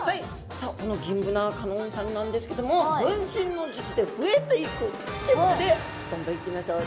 さあこのギンブナ香音さんなんですけども分身の術で増えていくということでどんどんいってみましょう。